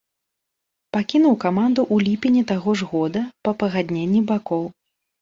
Пакінуў каманду ў ліпені таго ж года па пагадненні бакоў.